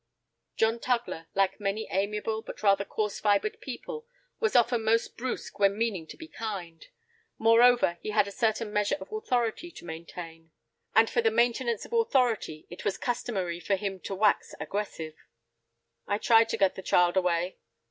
John Tugler, like many amiable but rather coarse fibred people, was often most brusque when meaning to be kind. Moreover, he had a certain measure of authority to maintain, and for the maintenance of authority it was customary for him to wax aggressive. "I tried to get the child away."